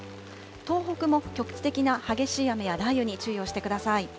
東北も局地的な激しい雨や雷雨に注意をしてください。